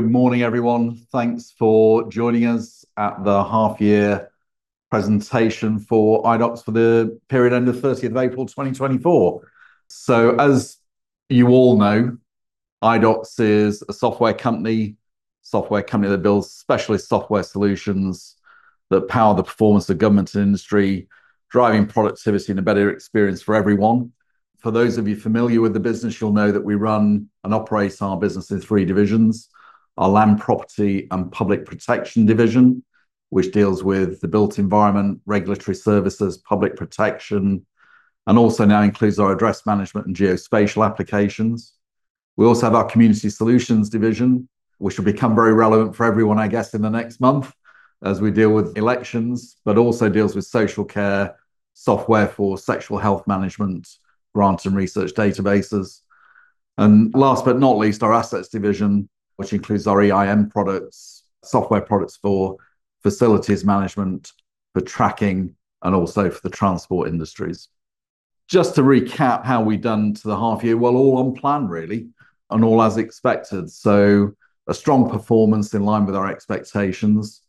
Good morning, everyone. Thanks for joining us at the half-year presentation for Idox for the period end of 30 April 2024. So, as you all know, Idox is a software company, a software company that builds specialist software solutions that power the performance of government and industry, driving productivity and a better experience for everyone. For those of you familiar with the business, you'll know that we run and operate our business in three divisions: our Land, Property, and Public Protection division, which deals with the built environment, regulatory services, public protection, and also now includes our address management and geospatial applications. We also have our Community Solutions division, which will become very relevant for everyone, I guess, in the next month as we deal with elections, but also deals with social care, software for sexual health management, grants and research databases. Last but not least, our Assets division, which includes our EIM products, software products for facilities management, for tracking, and also for the transport industries, Just to recap how we've done to the half-year, well, all on plan, really, and all as expected. So, a strong performance in line with our expectations,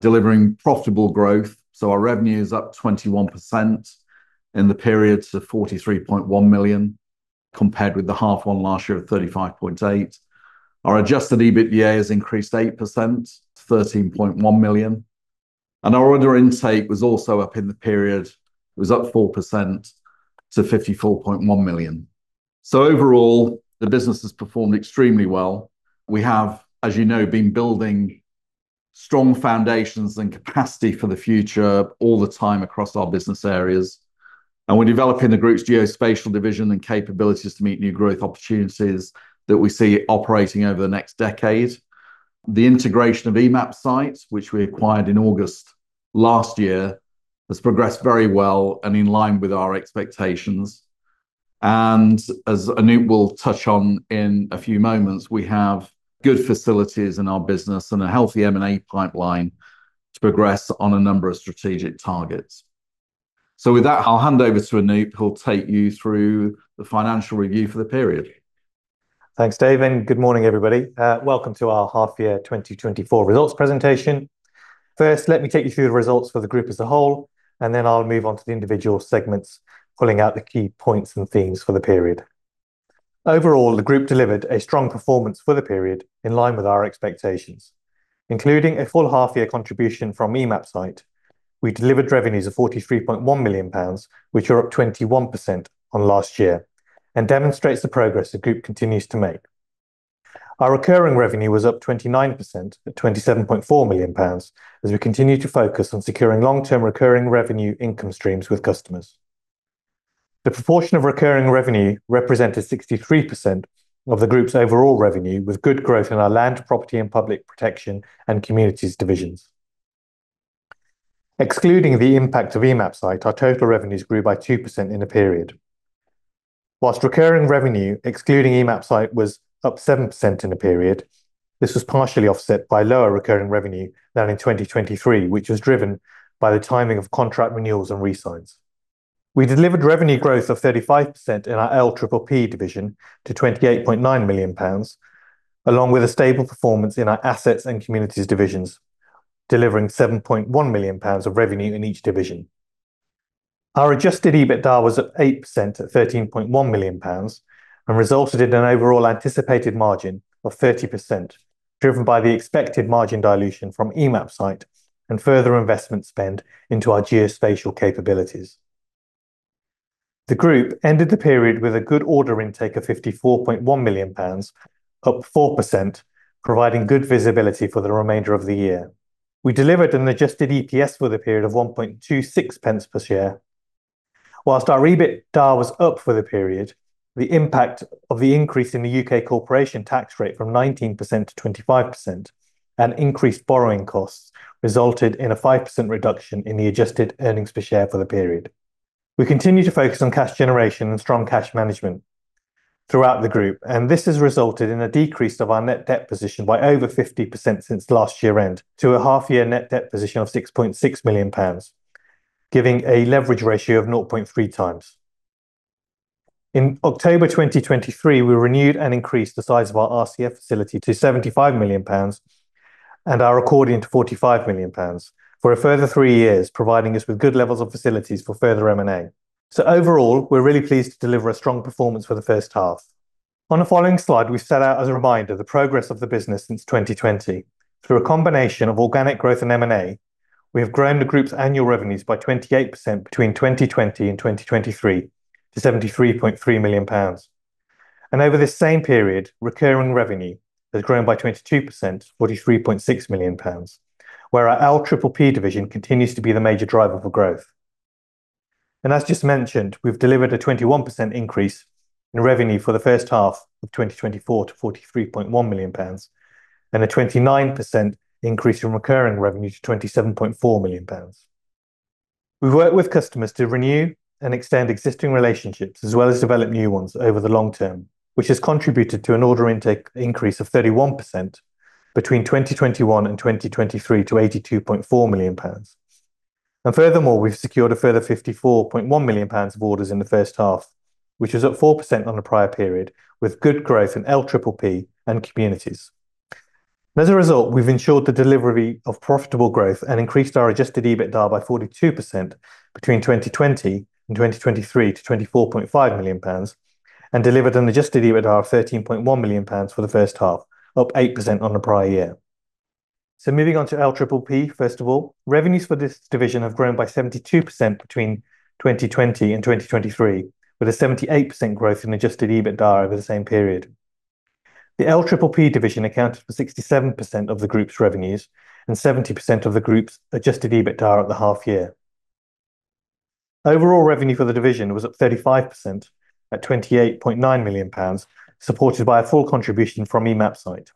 delivering profitable growth. So, our revenue is up 21% in the period to 43.1 million, compared with the H1 last year of 35.8 million. Our adjusted EBITDA has increased 8% to 13.1 million. And our order intake was also up in the period, it was up 4% to 54.1 million. So, overall, the business has performed extremely well. We have, as you know, been building strong foundations and capacity for the future all the time across our business areas. And we're developing the group's geospatial division and capabilities to meet new growth opportunities that we see operating over the next decade. The integration of Emapsite, which we acquired in August last year, has progressed very well and in line with our expectations. And as Anoop will touch on in a few moments, we have good facilities in our business and a healthy M&A pipeline to progress on a number of strategic targets. So, with that, I'll hand over to Anoop, who'll take you through the financial review for the period. Thanks, Dave and good morning, everybody. Welcome to our half-year 2024 results presentation. First, let me take you through the results for the group as a whole, and then I'll move on to the individual segments, pulling out the key points and themes for the period. Overall, the group delivered a strong performance for the period in line with our expectations, including a full half-year contribution from Emapsite. We delivered revenues of 43.1 million pounds, which are up 21% on last year, and demonstrates the progress the group continues to make. Our recurring revenue was up 29% at 27.4 million pounds, as we continue to focus on securing long-term recurring revenue income streams with customers. The proportion of recurring revenue represented 63% of the group's overall revenue, with good growth in our Land, Property, and Public Protection and Communities divisions. Excluding the impact of Emapsite, our total revenues grew by 2% in a period. While recurring revenue, excluding Emapsite, was up 7% in a period, this was partially offset by lower recurring revenue than in 2023, which was driven by the timing of contract renewals and re-signs. We delivered revenue growth of 35% in our LPPP division to 28.9 million pounds, along with a stable performance in our Assets and Communities divisions, delivering 7.1 million pounds of revenue in each division. Our adjusted EBITDA was up 8% at 13.1 million pounds and resulted in an overall anticipated margin of 30%, driven by the expected margin dilution from Emapsite and further investment spend into our geospatial capabilities. The group ended the period with a good order intake of 54.1 million pounds, up 4%, providing good visibility for the remainder of the year. We delivered an adjusted EPS for the period of GBP 1.26 per share. While our EBITDA was up for the period, the impact of the increase in the UK corporation tax rate from 19% to 25% and increased borrowing costs resulted in a 5% reduction in the adjusted earnings per share for the period. We continue to focus on cash generation and strong cash management throughout the group, and this has resulted in a decrease of our net debt position by over 50% since last year-end to a half-year net debt position of 6.6 million pounds, giving a leverage ratio of 0.3 times. In October 2023, we renewed and increased the size of our RCF facility to 75 million pounds and our accordion to 45 million pounds for a further three years, providing us with good levels of facilities for further M&A. Overall, we're really pleased to deliver a strong performance for the first half. On the following slide, we set out as a reminder the progress of the business since 2020. Through a combination of organic growth and M&A, we have grown the group's annual revenues by 28% between 2020 and 2023 to GBP 73.3 million. Over this same period, recurring revenue has grown by 22% to 43.6 million pounds, where our LPPP division continues to be the major driver for growth. As just mentioned, we've delivered a 21% increase in revenue for the first half of 2024 to 43.1 million pounds and a 29% increase in recurring revenue to 27.4 million pounds. We've worked with customers to renew and extend existing relationships, as well as develop new ones over the long term, which has contributed to an order intake increase of 31% between 2021 and 2023 to 82.4 million pounds. Furthermore, we've secured a further 54.1 million pounds of orders in the first half, which was up 4% on a prior period, with good growth in LPPP and communities. As a result, we've ensured the delivery of profitable growth and increased our Adjusted EBITDA by 42% between 2020 and 2023 to 24.5 million pounds and delivered an Adjusted EBITDA of 13.1 million pounds for the first half, up 8% on a prior year. Moving on to LPPP, first of all, revenues for this division have grown by 72% between 2020 and 2023, with a 78% growth in Adjusted EBITDA over the same period. The LPPP division accounted for 67% of the group's revenues and 70% of the group's Adjusted EBITDA at the half-year. Overall revenue for the division was up 35% at 28.9 million pounds, supported by a full contribution from Emapsite.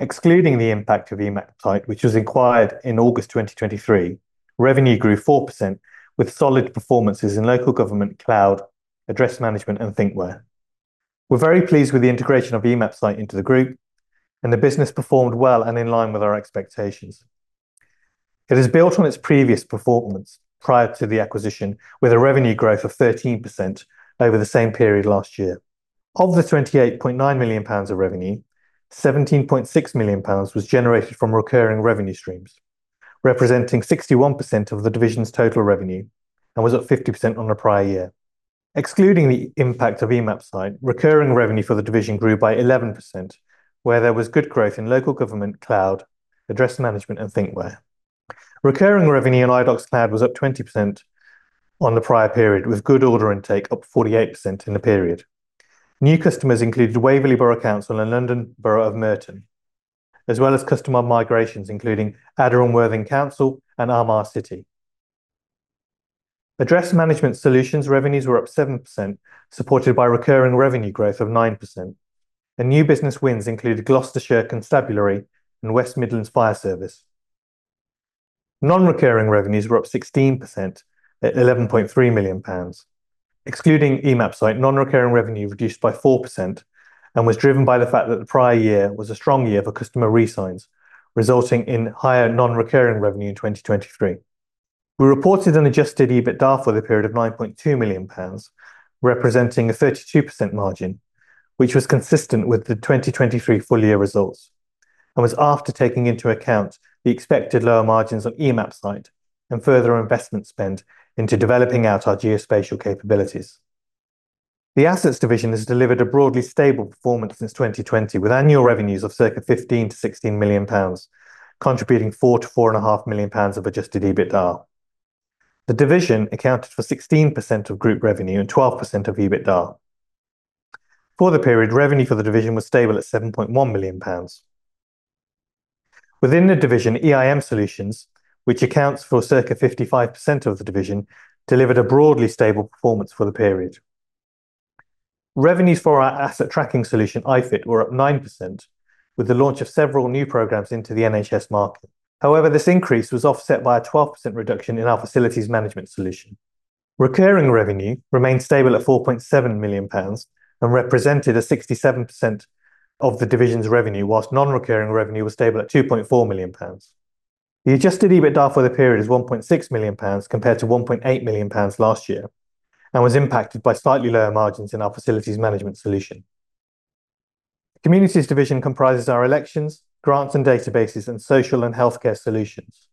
Excluding the impact of Emapsite, which was acquired in August 2023, revenue grew 4% with solid performances in local government cloud, address management, and thinkWhere. We're very pleased with the integration of Emapsite into the group, and the business performed well and in line with our expectations. It has built on its previous performance prior to the acquisition, with a revenue growth of 13% over the same period last year. Of the 28.9 million pounds of revenue, 17.6 million pounds was generated from recurring revenue streams, representing 61% of the division's total revenue and was up 50% on a prior year. Excluding the impact of Emapsite, recurring revenue for the division grew by 11%, where there was good growth in local government cloud, address management, and thinkWhere. Recurring revenue in Idox Cloud was up 20% on the prior period, with good order intake up 48% in the period. New customers included Waverley Borough Council and London Borough of Merton, as well as customer migrations, including Adur and Worthing Council and Arun. Address management solutions revenues were up 7%, supported by recurring revenue growth of 9%. New business wins included Gloucestershire Constabulary and West Midlands Fire Service. Non-recurring revenues were up 16% at 11.3 million pounds. Excluding Emapsite, non-recurring revenue reduced by 4% and was driven by the fact that the prior year was a strong year for customer re-signs, resulting in higher non-recurring revenue in 2023. We reported an adjusted EBITDA for the period of 9.2 million pounds, representing a 32% margin, which was consistent with the 2023 full-year results and was after taking into account the expected lower margins on Emapsite and further investment spend into developing out our geospatial capabilities. The Assets division has delivered a broadly stable performance since 2020, with annual revenues of circa 15 million-16 million pounds, contributing 4 million-4.5 million pounds of adjusted EBITDA. The division accounted for 16% of group revenue and 12% of EBITDA. For the period, revenue for the division was stable at 7.1 million pounds. Within the division, EIM Solutions, which accounts for circa 55% of the division, delivered a broadly stable performance for the period. Revenues for our asset tracking solution, iFit, were up 9% with the launch of several new programs into the NHS market. However, this increase was offset by a 12% reduction in our facilities management solution. Recurring revenue remained stable at 4.7 million pounds and represented a 67% of the division's revenue, whilst non-recurring revenue was stable at 2.4 million pounds. The adjusted EBITDA for the period is 1.6 million pounds compared to 1.8 million pounds last year and was impacted by slightly lower margins in our facilities management solution. Communities division comprises our elections, grants and databases, and social and healthcare solutions.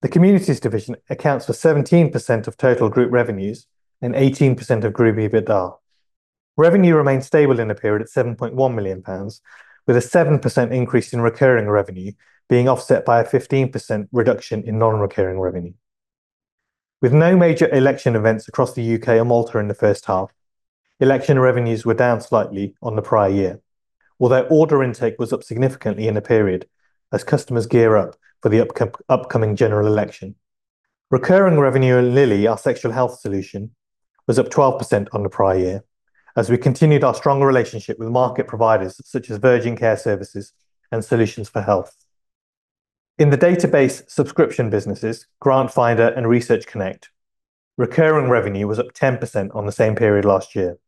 The Communities division accounts for 17% of total group revenues and 18% of group EBITDA. Revenue remained stable in a period at 7.1 million pounds, with a 7% increase in recurring revenue being offset by a 15% reduction in non-recurring revenue. With no major election events across the UK or Malta in the first half, election revenues were down slightly on the prior year, although order intake was up significantly in a period as customers gear up for the upcoming general election. Recurring revenue in Lilie, our sexual health solution, was up 12% on the prior year as we continued our strong relationship with market providers such as Virgin Care Services and Solutions 4 Health. In the database subscription businesses, GrantFinder and ResearchConnect, recurring revenue was up 10% on the same period last year.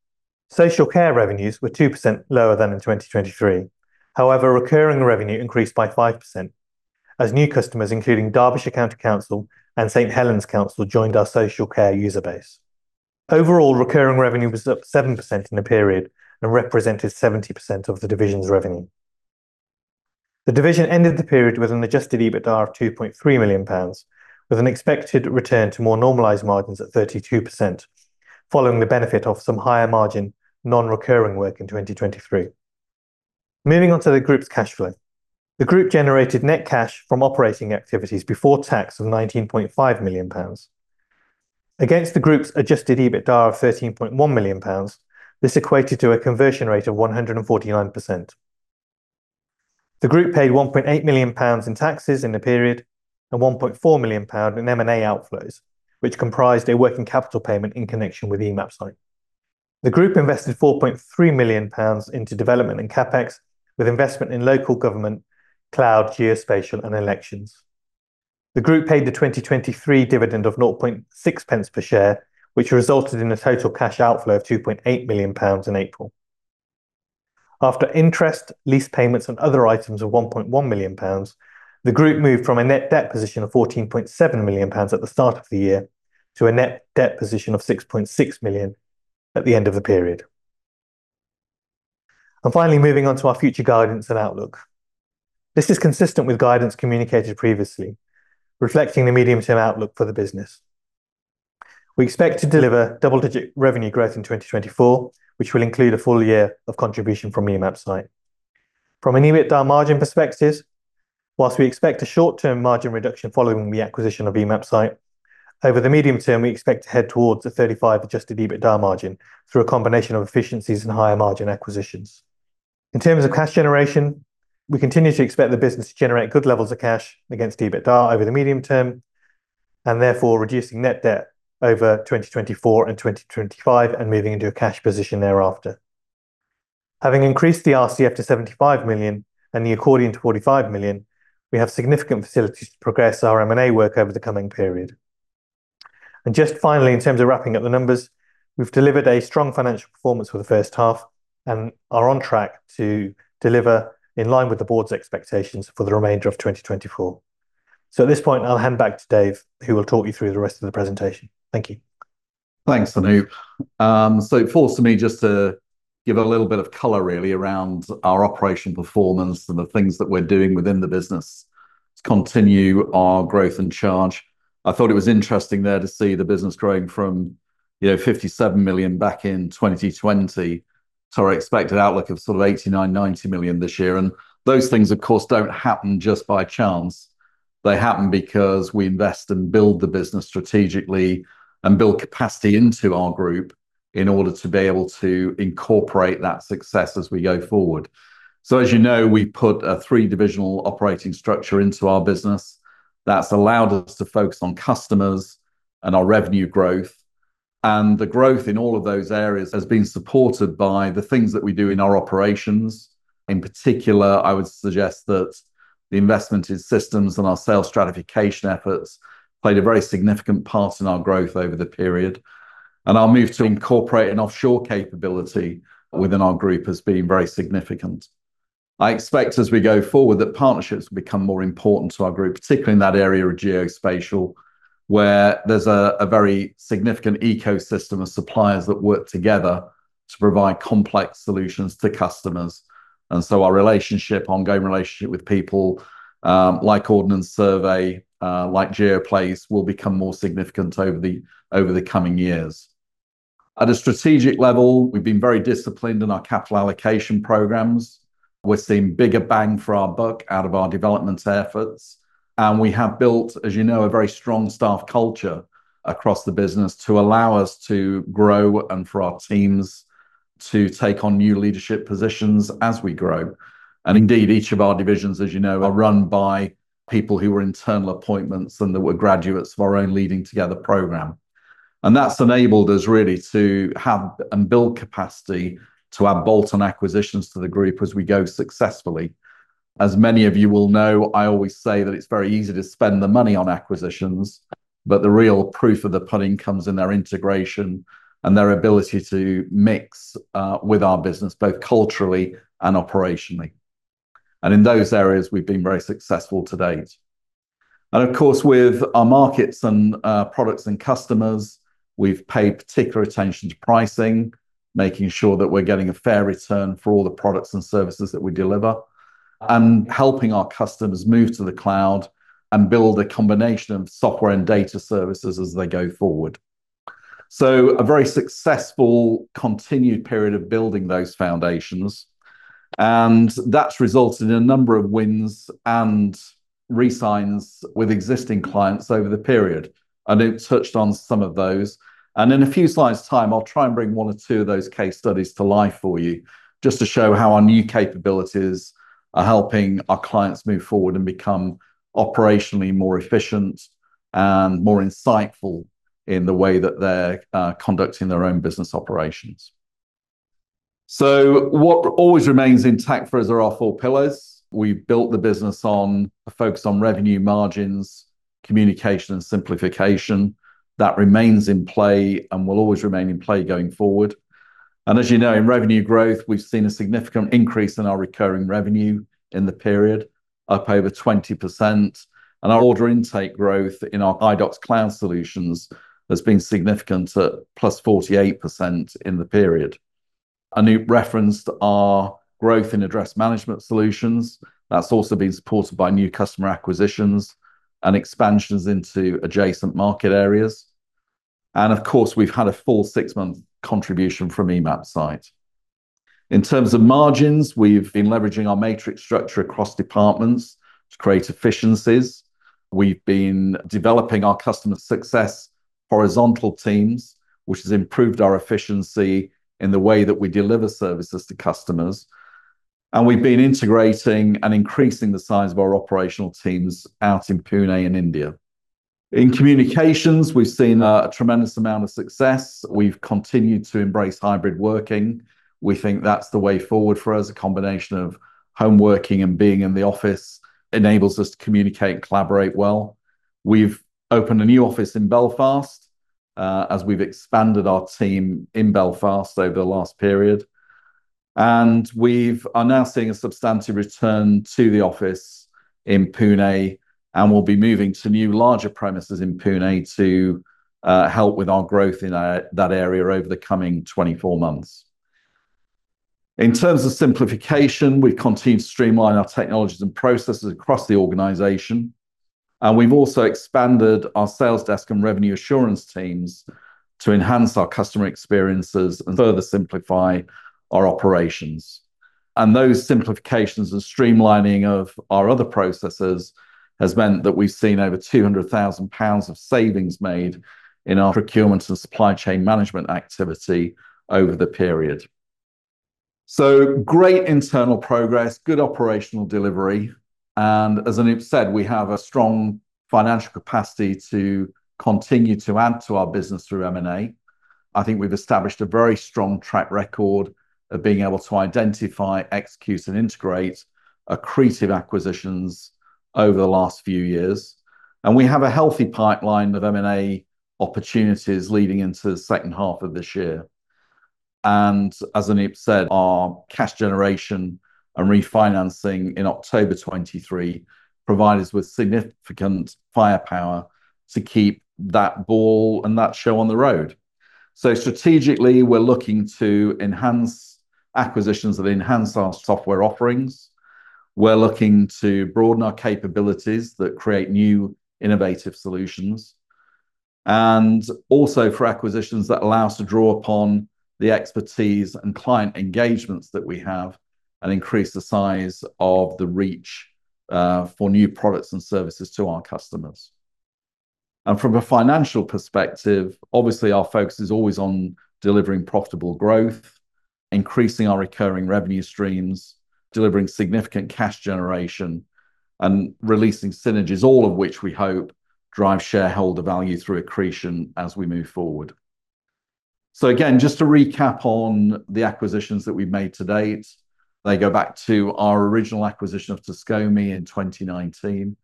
Social care revenues were 2% lower than in 2023. However, recurring revenue increased by 5% as new customers, including Derbyshire County Council and St Helens Council, joined our social care user base. Overall, recurring revenue was up 7% in a period and represented 70% of the division's revenue. The division ended the period with an adjusted EBITDA of 2.3 million pounds, with an expected return to more normalized margins at 32%, following the benefit of some higher margin non-recurring work in 2023. Moving on to the group's cash flow, the group generated net cash from operating activities before tax of 19.5 million pounds. Against the group's Adjusted EBITDA of 13.1 million pounds, this equated to a conversion rate of 149%. The group paid 1.8 million pounds in taxes in a period and 1.4 million pound in M&A outflows, which comprised a working capital payment in connection with Emapsite. The group invested 4.3 million pounds into development and CapEx, with investment in local government, cloud, geospatial, and elections. The group paid the 2023 dividend of 0.6 per share, which resulted in a total cash outflow of 2.8 million pounds in April. After interest, lease payments, and other items of 1.1 million pounds, the group moved from a net debt position of 14.7 million pounds at the start of the year to a net debt position of 6.6 million at the end of the period. Finally, moving on to our future guidance and outlook. This is consistent with guidance communicated previously, reflecting the medium-term outlook for the business. We expect to deliver double-digit revenue growth in 2024, which will include a full year of contribution from Emapsite. From an EBITDA margin perspective, while we expect a short-term margin reduction following the acquisition of Emapsite, over the medium term, we expect to head towards a 35% adjusted EBITDA margin through a combination of efficiencies and higher margin acquisitions. In terms of cash generation, we continue to expect the business to generate good levels of cash against EBITDA over the medium term and therefore reducing net debt over 2024 and 2025 and moving into a cash position thereafter. Having increased the RCF to 75 million and the accordion to 45 million, we have significant facilities to progress our M&A work over the coming period. Just finally, in terms of wrapping up the numbers, we've delivered a strong financial performance for the first half and are on track to deliver in line with the board's expectations for the remainder of 2024. So at this point, I'll hand back to Dave, who will talk you through the rest of the presentation. Thank you. Thanks, Anoop. So it forced me just to give a little bit of color, really, around our operational performance and the things that we're doing within the business to continue our growth and change. I thought it was interesting there to see the business growing from, you know, 57 million back in 2020 to our expected outlook of sort of 89 million-90 million this year. And those things, of course, don't happen just by chance. They happen because we invest and build the business strategically and build capacity into our group in order to be able to incorporate that success as we go forward. So, as you know, we've put a three-divisional operating structure into our business that's allowed us to focus on customers and our revenue growth. And the growth in all of those areas has been supported by the things that we do in our operations. In particular, I would suggest that the investment in systems and our sales stratification efforts played a very significant part in our growth over the period. And our move to incorporate an offshore capability within our group has been very significant. I expect, as we go forward, that partnerships will become more important to our group, particularly in that area of geospatial, where there's a very significant ecosystem of suppliers that work together to provide complex solutions to customers. And so our relationship, ongoing relationship with people like Ordnance Survey, like GeoPlace, will become more significant over the coming years. At a strategic level, we've been very disciplined in our capital allocation programs. We're seeing bigger bang for our buck out of our development efforts. And we have built, as you know, a very strong staff culture across the business to allow us to grow and for our teams to take on new leadership positions as we grow. And indeed, each of our divisions, as you know, are run by people who were internal appointments and that were graduates of our own Leading Together program. That's enabled us really to have and build capacity to add bolt-on acquisitions to the group as we go successfully. As many of you will know, I always say that it's very easy to spend the money on acquisitions, but the real proof of the pudding comes in their integration and their ability to mix with our business, both culturally and operationally. In those areas, we've been very successful to date. Of course, with our markets and products and customers, we've paid particular attention to pricing, making sure that we're getting a fair return for all the products and services that we deliver and helping our customers move to the cloud and build a combination of software and data services as they go forward. So a very successful continued period of building those foundations, and that's resulted in a number of wins and re-signs with existing clients over the period. I know you've touched on some of those. And in a few slides' time, I'll try and bring one or two of those case studies to life for you, just to show how our new capabilities are helping our clients move forward and become operationally more efficient and more insightful in the way that they're conducting their own business operations. So what always remains intact for us are our four pillars. We've built the business on a focus on revenue margins, communication, and simplification that remains in play and will always remain in play going forward. And as you know, in revenue growth, we've seen a significant increase in our recurring revenue in the period, up over 20%. And our order intake growth in our Idox Cloud solutions has been significant at +48% in the period. Anoop referenced our growth in address management solutions. That's also been supported by new customer acquisitions and expansions into adjacent market areas. And of course, we've had a full six-month contribution from Emapsite. In terms of margins, we've been leveraging our matrix structure across departments to create efficiencies. We've been developing our customer success horizontal teams, which has improved our efficiency in the way that we deliver services to customers. And we've been integrating and increasing the size of our operational teams out in Pune, India. In communications, we've seen a tremendous amount of success. We've continued to embrace hybrid working. We think that's the way forward for us. A combination of home working and being in the office enables us to communicate and collaborate well. We've opened a new office in Belfast as we've expanded our team in Belfast over the last period. We are now seeing a substantial return to the office in Pune, and we'll be moving to new, larger premises in Pune to help with our growth in that area over the coming 24 months. In terms of simplification, we've continued to streamline our technologies and processes across the organization. We've also expanded our sales desk and revenue assurance teams to enhance our customer experiences and further simplify our operations. Those simplifications and streamlining of our other processes has meant that we've seen over 200,000 pounds of savings made in our procurement and supply chain management activity over the period. Great internal progress, good operational delivery. As Anoop said, we have a strong financial capacity to continue to add to our business through M&A. I think we've established a very strong track record of being able to identify, execute, and integrate accretive acquisitions over the last few years. We have a healthy pipeline of M&A opportunities leading into the second half of this year. As Anoop said, our cash generation and refinancing in October 2023 provided us with significant firepower to keep that ball and that show on the road. Strategically, we're looking to enhance acquisitions that enhance our software offerings. We're looking to broaden our capabilities that create new innovative solutions. Also for acquisitions that allow us to draw upon the expertise and client engagements that we have and increase the size of the reach for new products and services to our customers. From a financial perspective, obviously our focus is always on delivering profitable growth, increasing our recurring revenue streams, delivering significant cash generation, and releasing synergies, all of which we hope drive shareholder value through accretion as we move forward. Again, just to recap on the acquisitions that we've made to date, they go back to our original acquisition of Tascomi in 2019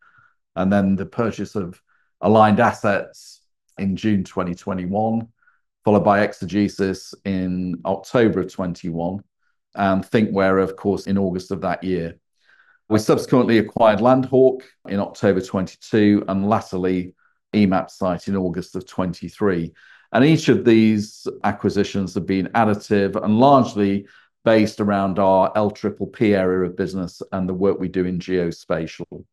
and then the purchase of Aligned Assets in June 2021, followed by Exegesis in October 2021 and thinkWhere, of course, in August of that year. We subsequently acquired LandHawk in October 2022 and latterly, Emapsite in August 2023. Each of these acquisitions have been additive and largely based around our LPPP area of business and the work we do in geospatial.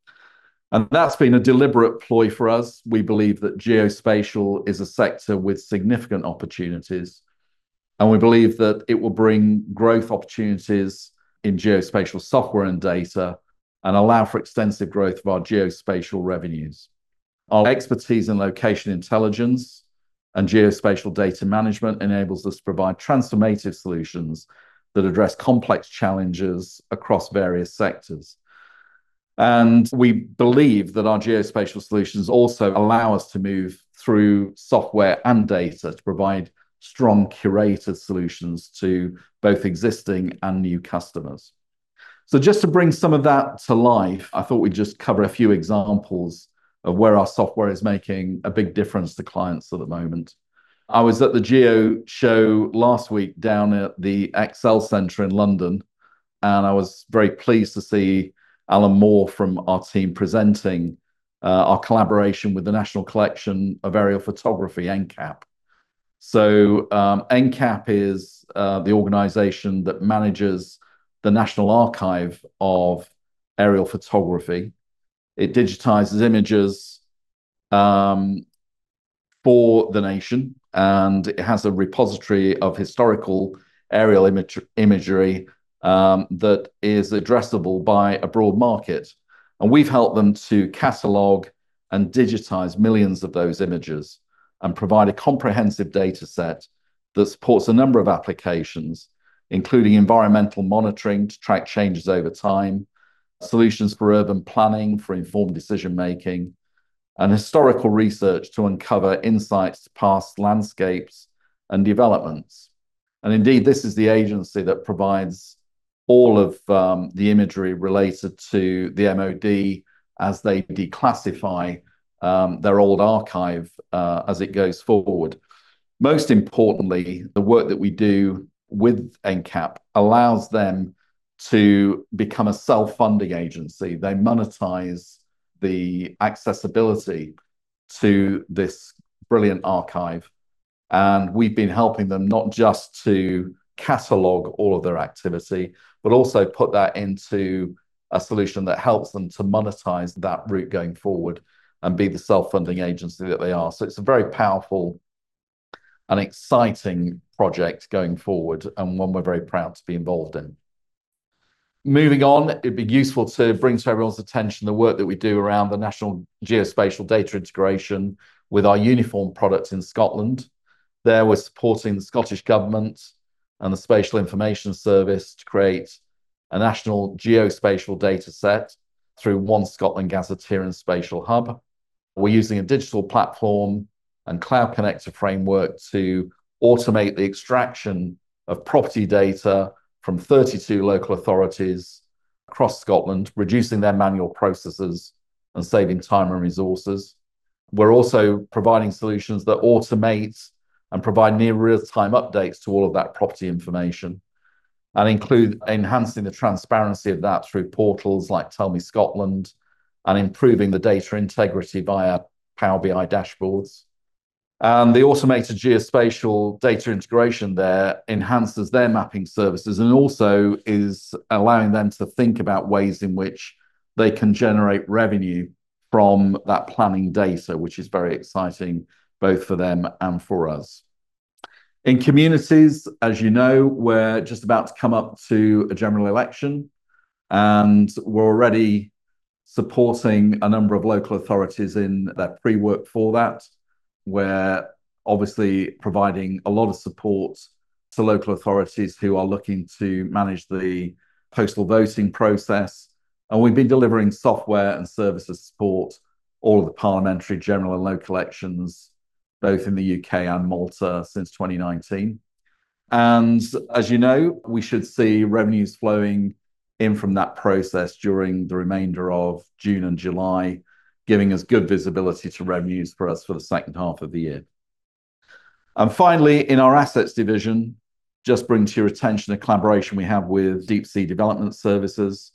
That's been a deliberate ploy for us. We believe that geospatial is a sector with significant opportunities, and we believe that it will bring growth opportunities in geospatial software and data and allow for extensive growth of our geospatial revenues. Our expertise in location intelligence and geospatial data management enables us to provide transformative solutions that address complex challenges across various sectors. We believe that our geospatial solutions also allow us to move through software and data to provide strong curated solutions to both existing and new customers. Just to bring some of that to life, I thought we'd just cover a few examples of where our software is making a big difference to clients at the moment. I was at the Geo Show last week down at the ExCeL Centre in London, and I was very pleased to see Alan Moore from our team presenting our collaboration with the National Collection of Aerial Photography, NCAP. So NCAP is the organization that manages the National Archive of Aerial Photography. It digitizes images for the nation, and it has a repository of historical aerial imagery that is addressable by a broad market. And we've helped them to catalog and digitize millions of those images and provide a comprehensive data set that supports a number of applications, including environmental monitoring to track changes over time, solutions for urban planning for informed decision-making, and historical research to uncover insights to past landscapes and developments. And indeed, this is the agency that provides all of the imagery related to the MoD as they declassify their old archive as it goes forward. Most importantly, the work that we do with NCAP allows them to become a self-funding agency. They monetize the accessibility to this brilliant archive. We've been helping them not just to catalog all of their activity, but also put that into a solution that helps them to monetize that route going forward and be the self-funding agency that they are. So it's a very powerful and exciting project going forward and one we're very proud to be involved in. Moving on, it'd be useful to bring to everyone's attention the work that we do around the National Geospatial Data Integration with our Uniform product in Scotland. There we're supporting the Scottish Government and the Spatial Information Service to create a national geospatial data set through One Scotland Gazetteer and Spatial Hub. We're using a digital platform and Cloud Connector framework to automate the extraction of property data from 32 local authorities across Scotland, reducing their manual processes and saving time and resources. We're also providing solutions that automate and provide near-real-time updates to all of that property information and include enhancing the transparency of that through portals like Tell Me Scotland and improving the data integrity via Power BI dashboards. The automated geospatial data integration there enhances their mapping services and also is allowing them to think about ways in which they can generate revenue from that planning data, which is very exciting both for them and for us. In communities, as you know, we're just about to come up to a general election, and we're already supporting a number of local authorities in their pre-work for that, where obviously providing a lot of support to local authorities who are looking to manage the postal voting process. We've been delivering software and services support to all of the parliamentary, general, and local elections, both in the UK and Malta since 2019. As you know, we should see revenues flowing in from that process during the remainder of June and July, giving us good visibility to revenues for us for the second half of the year. Finally, in our assets division, just bring to your attention a collaboration we have with DeepSea Development Services.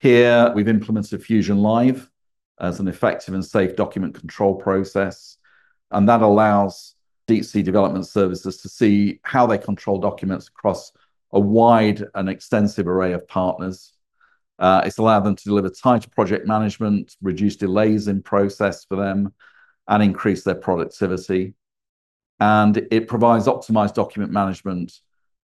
Here, we've implemented FusionLive as an effective and safe document control process, and that allows DeepSea Development Services to see how they control documents across a wide and extensive array of partners. It's allowed them to deliver tighter project management, reduce delays in process for them, and increase their productivity. It provides optimized document management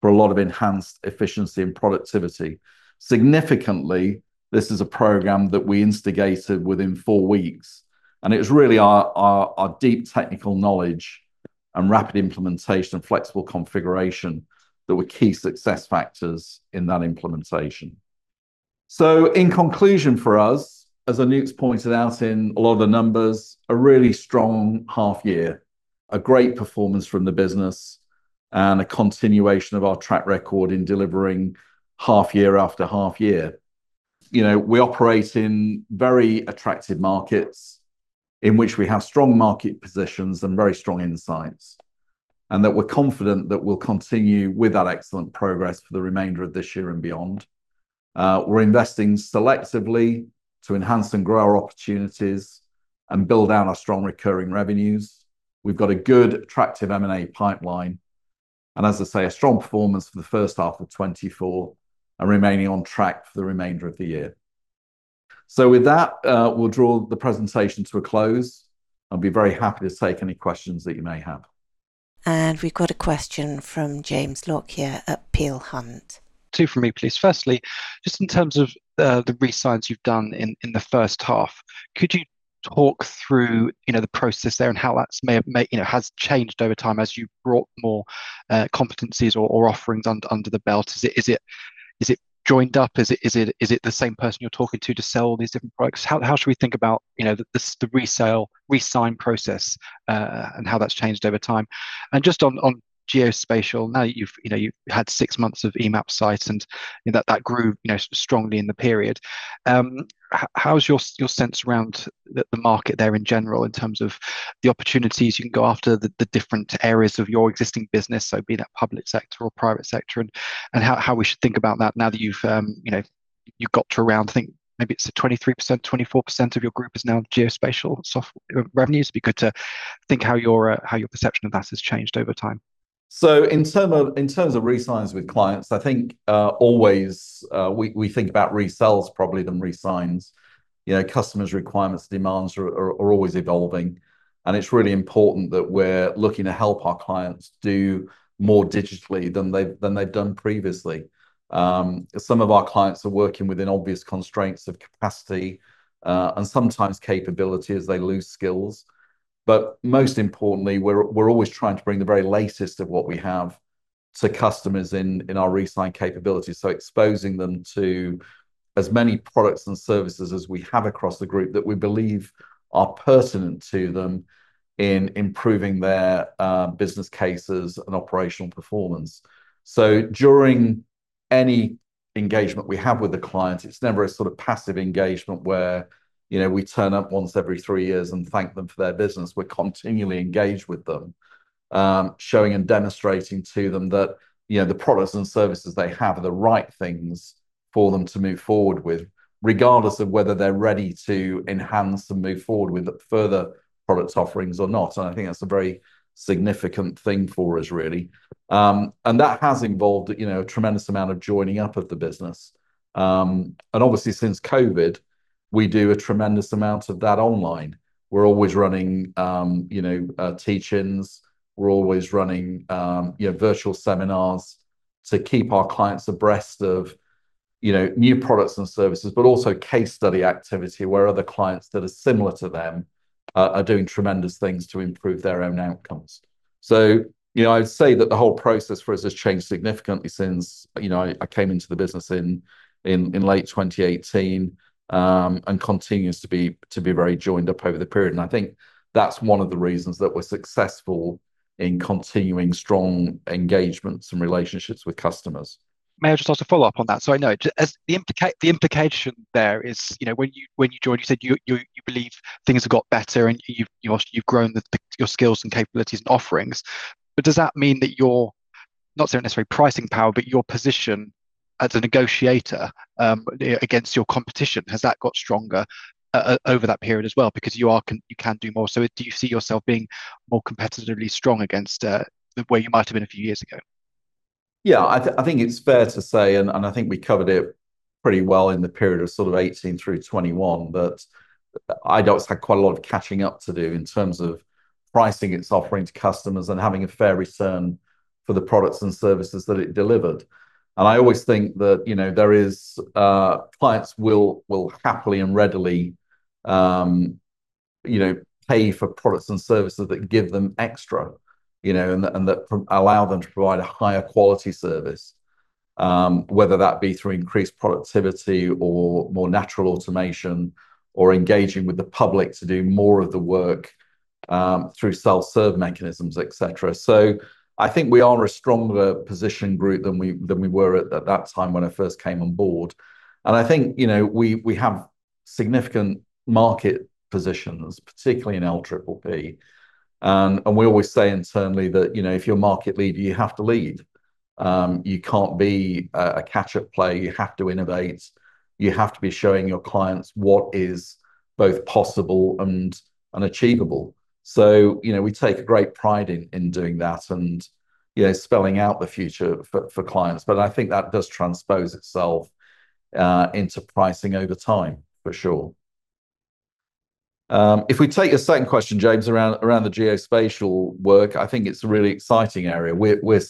for a lot of enhanced efficiency and productivity. Significantly, this is a program that we instigated within four weeks, and it was really our deep technical knowledge and rapid implementation and flexible configuration that were key success factors in that implementation. So in conclusion for us, as Anoop's pointed out in a lot of the numbers, a really strong half-year, a great performance from the business, and a continuation of our track record in delivering half-year after half-year. You know, we operate in very attractive markets in which we have strong market positions and very strong insights, and that we're confident that we'll continue with that excellent progress for the remainder of this year and beyond. We're investing selectively to enhance and grow our opportunities and build out our strong recurring revenues. We've got a good, attractive M&A pipeline, and as I say, a strong performance for the first half of 2024 and remaining on track for the remainder of the year. So with that, we'll draw the presentation to a close. I'll be very happy to take any questions that you may have. And we've got a question from James Lockyer at Peel Hunt. Two from me, please. Firstly, just in terms of the signings you've done in the first half, could you talk through the process there and how that may have changed over time as you brought more competencies or offerings under the belt? Is it joined up? Is it the same person you're talking to to sell all these different products? How should we think about the signing process and how that's changed over time? And just on geospatial, now that you've had six months of Emapsite and that grew strongly in the period, how's your sense around the market there in general in terms of the opportunities you can go after the different areas of your existing business, so be that public sector or private sector, and how we should think about that now that you've got to around, I think maybe it's a 23%-24% of your group is now geospatial revenues. It'd be good to think how your perception of that has changed over time. In terms of re-signs with clients, I think always we think about resales probably than re-signs. Customers' requirements, demands are always evolving, and it's really important that we're looking to help our clients do more digitally than they've done previously. Some of our clients are working within obvious constraints of capacity and sometimes capability as they lose skills. But most importantly, we're always trying to bring the very latest of what we have to customers in our re-sign capability. Exposing them to as many products and services as we have across the group that we believe are pertinent to them in improving their business cases and operational performance. During any engagement we have with the client, it's never a sort of passive engagement where we turn up once every three years and thank them for their business. We're continually engaged with them, showing and demonstrating to them that the products and services they have are the right things for them to move forward with, regardless of whether they're ready to enhance and move forward with further product offerings or not. I think that's a very significant thing for us, really. That has involved a tremendous amount of joining up of the business. Obviously, since COVID, we do a tremendous amount of that online. We're always running teach-ins. We're always running virtual seminars to keep our clients abreast of new products and services, but also case study activity where other clients that are similar to them are doing tremendous things to improve their own outcomes. So I'd say that the whole process for us has changed significantly since I came into the business in late 2018 and continues to be very joined up over the period. And I think that's one of the reasons that we're successful in continuing strong engagements and relationships with customers. May I just ask a follow-up on that? So I know the implication there is when you joined, you said you believe things have got better and you've grown your skills and capabilities and offerings. But does that mean that you're not necessarily pricing power, but your position as a negotiator against your competition, has that got stronger over that period as well because you can do more? So do you see yourself being more competitively strong against where you might have been a few years ago? Yeah, I think it's fair to say, and I think we covered it pretty well in the period of sort of 2018 through 2021, that Idox had quite a lot of catching up to do in terms of pricing its offering to customers and having a fair return for the products and services that it delivered. And I always think that there is clients will happily and readily pay for products and services that give them extra and that allow them to provide a higher quality service, whether that be through increased productivity or more natural automation or engaging with the public to do more of the work through self-serve mechanisms, etc. So I think we are in a stronger position group than we were at that time when I first came on board. And I think we have significant market positions, particularly in LPPP. We always say internally that if you're a market leader, you have to lead. You can't be a catch-up player. You have to innovate. You have to be showing your clients what is both possible and achievable. So we take great pride in doing that and spelling out the future for clients. But I think that does transpose itself into pricing over time, for sure. If we take the second question, James, around the geospatial work, I think it's a really exciting area. We're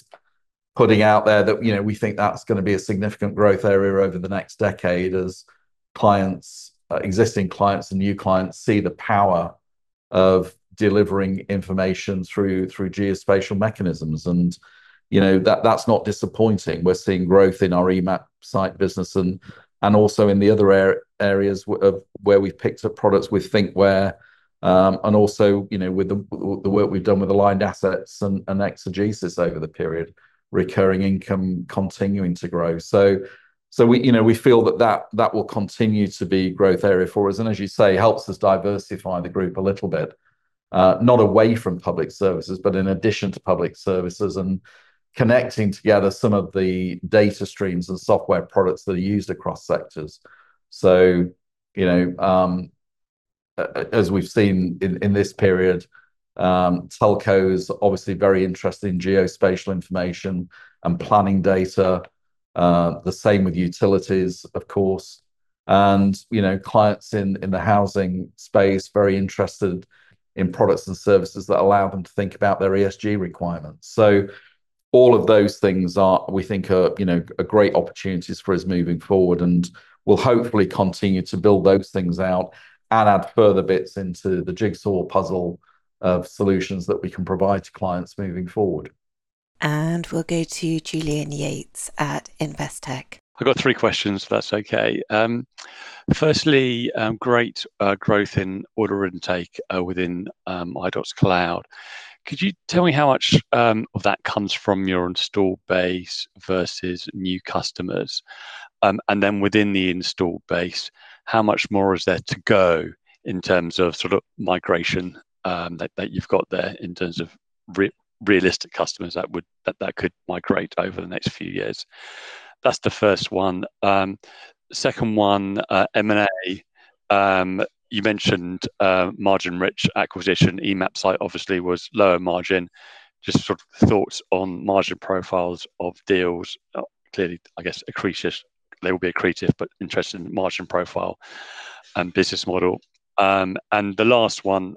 putting out there that we think that's going to be a significant growth area over the next decade as existing clients and new clients see the power of delivering information through geospatial mechanisms. And that's not disappointing. We're seeing growth in our Emapsite business and also in the other areas where we've picked up products with thinkWhere. And also with the work we've done with Aligned Assets and Exegesis over the period, recurring income continuing to grow. So we feel that that will continue to be a growth area for us. And as you say, it helps us diversify the group a little bit, not away from public services, but in addition to public services and connecting together some of the data streams and software products that are used across sectors. So as we've seen in this period, telcos are obviously very interested in geospatial information and planning data, the same with utilities, of course. And clients in the housing space are very interested in products and services that allow them to think about their ESG requirements. So all of those things we think are great opportunities for us moving forward and will hopefully continue to build those things out and add further bits into the jigsaw puzzle of solutions that we can provide to clients moving forward. And we'll go to Julian Yates at Investec. I've got three questions, if that's okay. Firstly, great growth in order intake within Idox Cloud. Could you tell me how much of that comes from your installed base versus new customers? And then within the installed base, how much more is there to go in terms of sort of migration that you've got there in terms of realistic customers that could migrate over the next few years? That's the first one. Second one, M&A. You mentioned margin-rich acquisition. Emapsite obviously was lower margin. Just sort of thoughts on margin profiles of deals. Clearly, I guess, they will be accretive, but interested in margin profile and business model. The last one,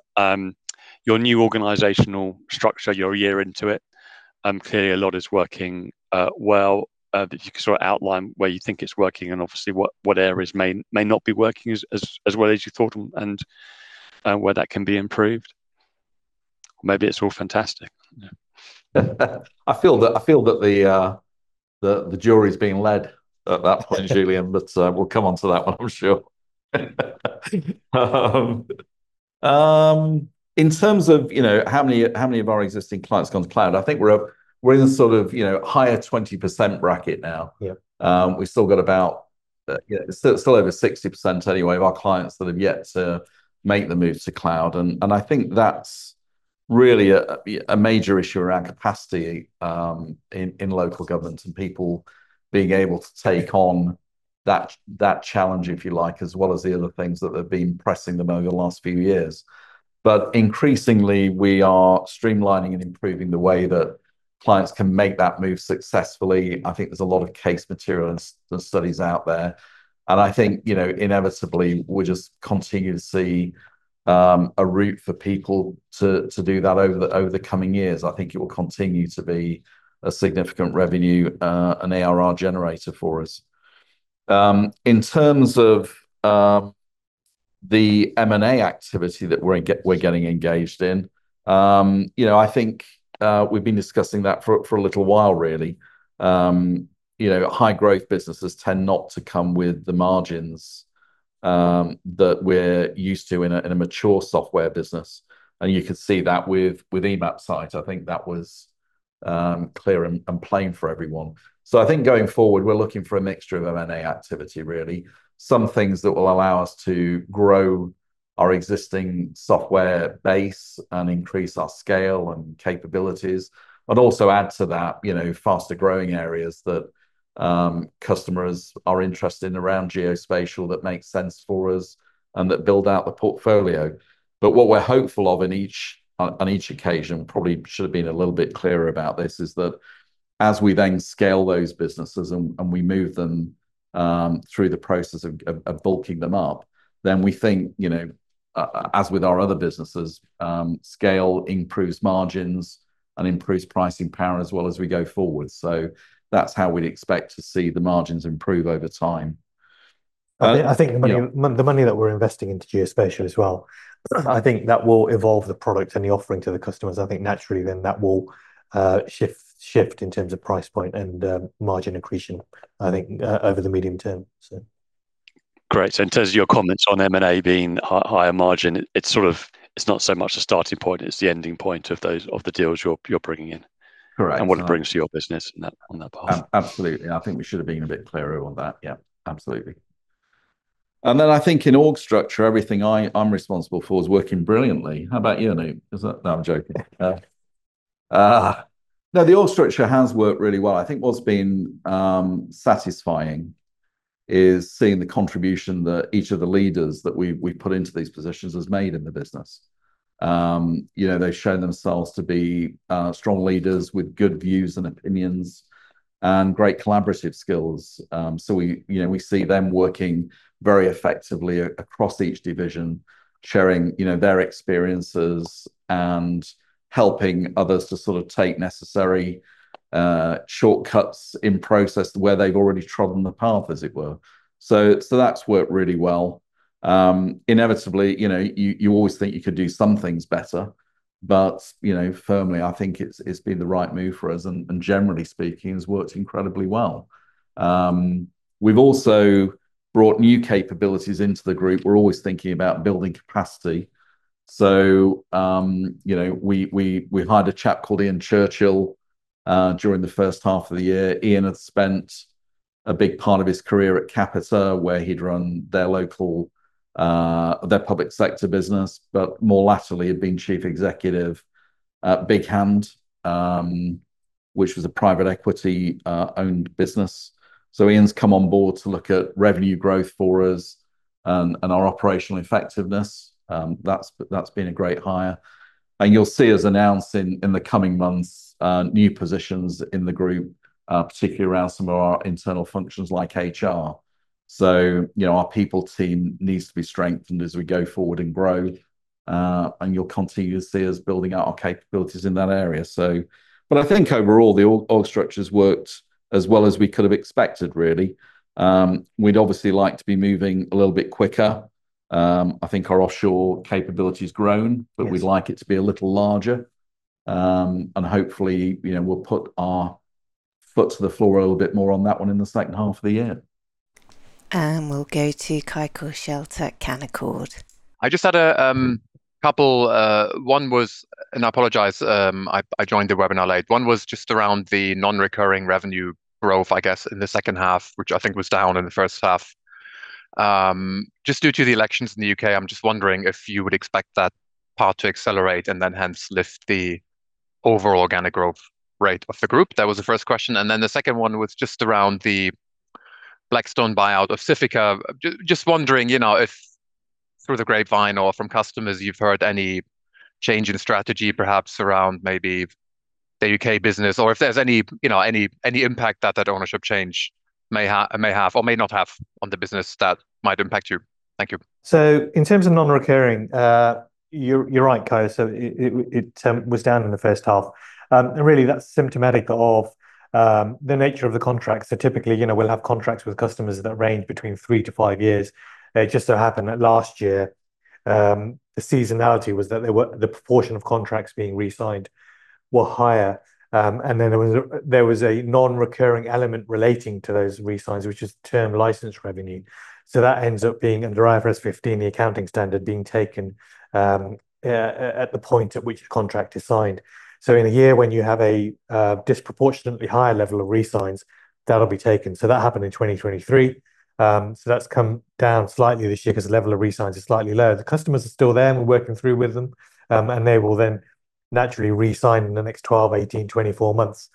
your new organizational structure, you're a year into it. Clearly, a lot is working well. You can sort of outline where you think it's working and obviously what areas may not be working as well as you thought and where that can be improved. Maybe it's all fantastic. I feel that the jury is being led at that point, Julian, but we'll come on to that one, I'm sure. In terms of how many of our existing clients have gone to cloud, I think we're in the sort of higher 20% bracket now. We've still got about still over 60% anyway of our clients that have yet to make the move to cloud. I think that's really a major issue around capacity in local governments and people being able to take on that challenge, if you like, as well as the other things that have been pressing them over the last few years. But increasingly, we are streamlining and improving the way that clients can make that move successfully. I think there's a lot of case material and studies out there. And I think inevitably, we'll just continue to see a route for people to do that over the coming years. I think it will continue to be a significant revenue, an ARR generator for us. In terms of the M&A activity that we're getting engaged in, I think we've been discussing that for a little while, really. High-growth businesses tend not to come with the margins that we're used to in a mature software business. And you could see that with Emapsite. I think that was clear and plain for everyone. So I think going forward, we're looking for a mixture of M&A activity, really. Some things that will allow us to grow our existing software base and increase our scale and capabilities. And also add to that faster-growing areas that customers are interested in around geospatial that make sense for us and that build out the portfolio. But what we're hopeful of on each occasion, probably should have been a little bit clearer about this, is that as we then scale those businesses and we move them through the process of bulking them up, then we think, as with our other businesses, scale improves margins and improves pricing power as well as we go forward. So that's how we'd expect to see the margins improve over time. I think the money that we're investing into geospatial as well, I think that will evolve the product and the offering to the customers. I think naturally then that will shift in terms of price point and margin accretion, I think, over the medium term. Great. So in terms of your comments on M&A being higher margin, it's not so much the starting point, it's the ending point of the deals you're bringing in and what it brings to your business on that path. Absolutely. I think we should have been a bit clearer on that. Yeah, absolutely. And then I think in org structure, everything I'm responsible for is working brilliantly. How about you, Anoop? No, I'm joking. Now, the org structure has worked really well. I think what's been satisfying is seeing the contribution that each of the leaders that we've put into these positions has made in the business. They've shown themselves to be strong leaders with good views and opinions and great collaborative skills. So we see them working very effectively across each division, sharing their experiences and helping others to sort of take necessary shortcuts in process where they've already trodden the path, as it were. So that's worked really well. Inevitably, you always think you could do some things better, but firmly, I think it's been the right move for us. And generally speaking, it's worked incredibly well. We've also brought new capabilities into the group. We're always thinking about building capacity. So we hired a chap called Ian Churchill during the first half of the year. Ian had spent a big part of his career at Capita, where he'd run their public sector business, but more lately, had been Chief Executive at BigHand, which was a private equity-owned business. So Ian's come on board to look at revenue growth for us and our operational effectiveness. That's been a great hire. And you'll see us announcing in the coming months new positions in the group, particularly around some of our internal functions like HR. So our people team needs to be strengthened as we go forward and grow. And you'll continue to see us building out our capabilities in that area. But I think overall, the org structure has worked as well as we could have expected, really. We'd obviously like to be moving a little bit quicker. I think our offshore capability has grown, but we'd like it to be a little larger. And hopefully, we'll put our foot to the floor a little bit more on that one in the second half of the year. And we'll go to Kai Korschelt at Canaccord. I just had a couple—one was, and I apologize, I joined the webinar late. One was just around the non-recurring revenue growth, I guess, in the second half, which I think was down in the first half. Just due to the elections in the UK, I'm just wondering if you would expect that part to accelerate and then hence lift the overall organic growth rate of the group. That was the first question. And then the second one was just around the Blackstone buyout of Civica. Just wondering if through the grapevine or from customers, you've heard any change in strategy, perhaps around maybe the UK business, or if there's any impact that that ownership change may have or may not have on the business that might impact you? Thank you. So in terms of non-recurring, you're right, Kai. So it was down in the first half. And really, that's symptomatic of the nature of the contracts. So typically, we'll have contracts with customers that range between 3-5 years. It just so happened that last year, the seasonality was that the proportion of contracts being re-signed were higher. And then there was a non-recurring element relating to those re-signs, which is term license revenue. So that ends up being under IFRS 15, the accounting standard being taken at the point at which the contract is signed. So in a year when you have a disproportionately higher level of re-signs, that'll be taken. So that happened in 2023. So that's come down slightly this year because the level of re-signs is slightly lower. The customers are still there. We're working through with them. And they will then naturally re-sign in the next 12, 18, 24 months.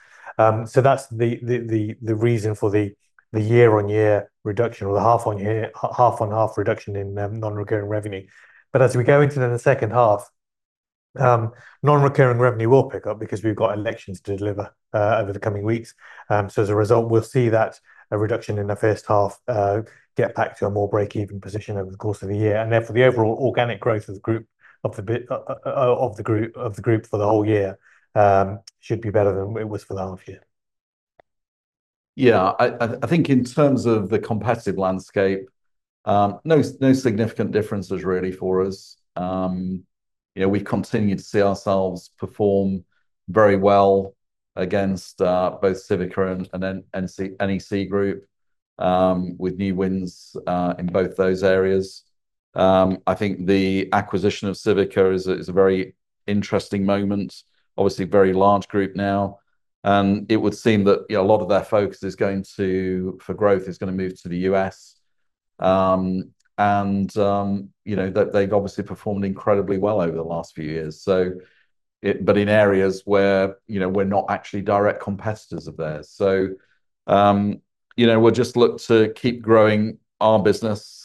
So that's the reason for the year-on-year reduction or the half-on-half reduction in non-recurring revenue. But as we go into the second half, non-recurring revenue will pick up because we've got elections to deliver over the coming weeks. So as a result, we'll see that a reduction in the first half get back to a more break-even position over the course of the year. And therefore, the overall organic growth of the group for the whole year should be better than it was for the half-year. Yeah, I think in terms of the competitive landscape, no significant differences really for us. We've continued to see ourselves perform very well against both Civica and NEC Group with new wins in both those areas. I think the acquisition of Civica is a very interesting moment. Obviously, very large group now. And it would seem that a lot of their focus is going to, for growth, is going to move to the U.S. And they've obviously performed incredibly well over the last few years. But in areas where we're not actually direct competitors of theirs. So we'll just look to keep growing our business,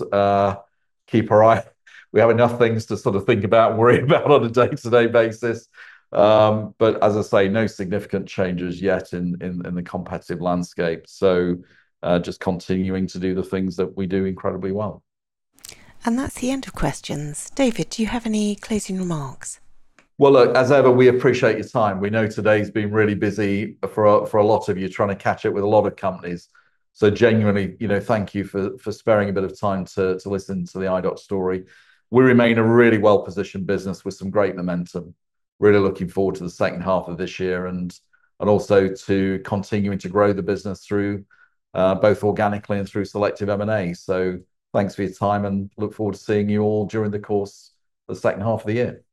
keep our eye. We have enough things to sort of think about and worry about on a day-to-day basis. But as I say, no significant changes yet in the competitive landscape. So just continuing to do the things that we do incredibly well. That's the end of questions. David, do you have any closing remarks? Well, look, as ever, we appreciate your time. We know today's been really busy for a lot of you trying to catch up with a lot of companies. So genuinely, thank you for sparing a bit of time to listen to the Idox story. We remain a really well-positioned business with some great momentum. Really looking forward to the second half of this year and also to continuing to grow the business through both organically and through selective M&A. So thanks for your time and look forward to seeing you all during the course of the second half of the year.